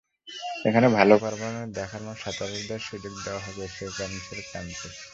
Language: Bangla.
এখানে ভালো পারফরম্যান্স দেখানো সাঁতারুদের সুযোগ দেওয়া হবে এসএ গেমসের ক্যাম্পে।